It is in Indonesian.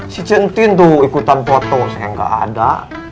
si jenti tuh ikutan foto saya nggak ada